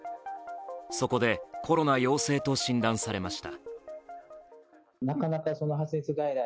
そこでコロナ陽性と診断されました。